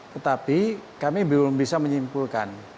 tetapi kami belum bisa menyimpulkan